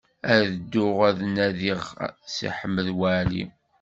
Ad dduɣ ad d-nadiɣ Si Ḥmed Waɛli.